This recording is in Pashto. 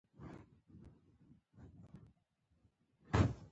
په دې مسیر کې بېرته راتګ ممکن نه و.